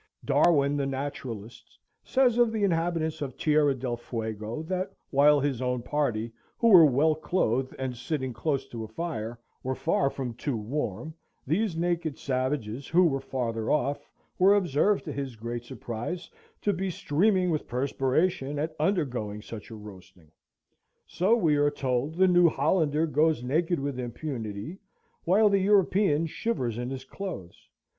Darwin, the naturalist, says of the inhabitants of Tierra del Fuego, that while his own party, who were well clothed and sitting close to a fire, were far from too warm, these naked savages, who were farther off, were observed, to his great surprise, "to be streaming with perspiration at undergoing such a roasting." So, we are told, the New Hollander goes naked with impunity, while the European shivers in his clothes.